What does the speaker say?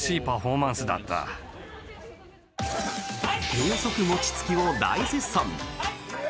高速餅つきを大絶賛。